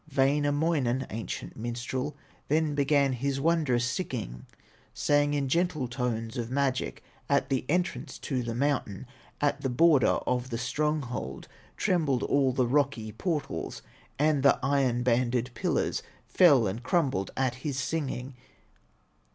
Wainamoinen, ancient minstrel, Then began his wondrous singing, Sang in gentle tones of magic, At the entrance to the mountain, At the border of the stronghold; Trembled all the rocky portals, And the iron banded pillars Fell and crumbled at his singing.